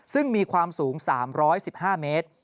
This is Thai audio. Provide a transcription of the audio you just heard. ซึ่งมีความสูง๓๑๕เมตร